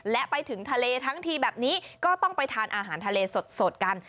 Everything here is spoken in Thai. และไปถึงทะเลทั้งทีแบบนี้ก็ต้องไปทานอาหารทะเลสดกัน